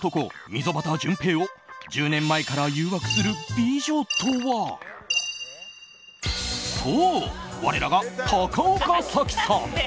溝端淳平を１０年前から誘惑する美女とはそう、我らが高岡早紀さん。